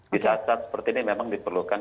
di saat saat seperti ini memang diperlukan